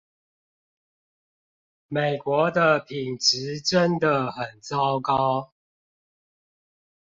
美國的品質真的很糟糕